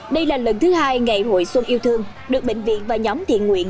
đây là lần thứ hai ngày hội xuân yêu thương được bệnh viện và nhóm thiện nguyện